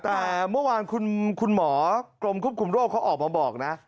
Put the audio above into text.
แต่เมื่อวานคุณหมอกรมควบคุมโรคเขาออกมาบอกนะ